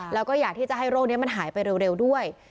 แล้วก็อยากที่จะให้โรคนี้มันหายไปเร็วด้วย